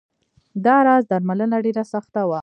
دا راز درملنه ډېره سخته وه.